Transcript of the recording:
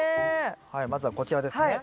はいまずはこちらですね。